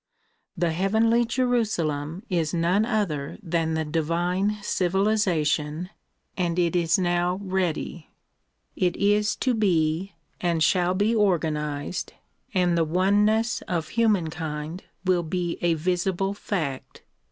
The heavenly Jerusalem is none other than the divine civilization, and it is now ready. It is to be and shall be organized and the oneness of humankind will be a visible fact.